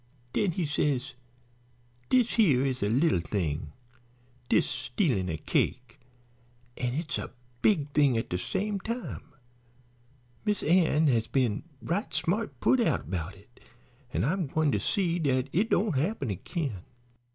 Den he says: 'Dis here is a lil thing, dis stealin' a cake; an' it's a big thing at de same time. Miss Ann has been right smart put out 'bout it, an' I'm gwine to see dat it don't happen agin.